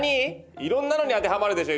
いろんなのに当てはまるでしょ